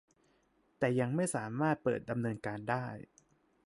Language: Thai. แต่ยังไม่สามารถเปิดดำเนินการได้